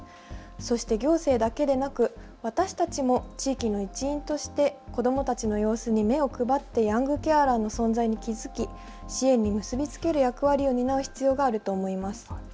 そして行政だけでなく私たちも地域の一員として子どもたちの様子に目を配ってヤングケアラーの存在に気付き、支援に結び付ける役割を担う必要があると思います。